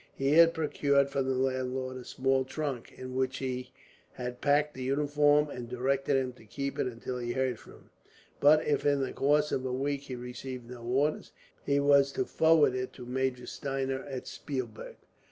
He had procured from the landlord a small trunk, in which he had packed the uniform, and directed him to keep it until he heard from him; but if in the course of a week he received no orders, he was to forward it to Major Steiner, at Spielberg.